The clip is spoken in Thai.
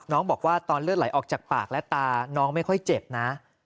น้องบอกว่าตอนเลือดไหลออกจากปากและตาน้องไม่ค่อยเจ็บนะ